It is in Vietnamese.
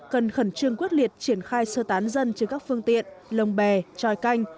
cần khẩn trương quyết liệt triển khai sơ tán dân trên các phương tiện lồng bè tròi canh